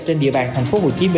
trên địa bàn tp hcm